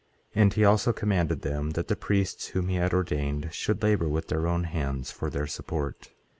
18:24 And he also commanded them that the priests whom he had ordained should labor with their own hands for their support.